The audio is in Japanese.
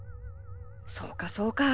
そうかそうか。